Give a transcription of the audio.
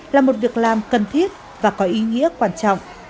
là một việc làm cần thiết và có ý nghĩa quan trọng